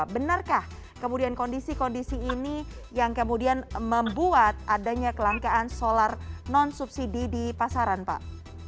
benarkah kemudian kondisi kondisi ini yang kemudian membuat adanya kelangkaan solar non subsidi di pasaran pak